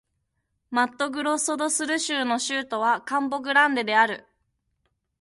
マットグロッソ・ド・スル州の州都はカンポ・グランデである